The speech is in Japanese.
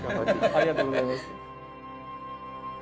ありがとうございます。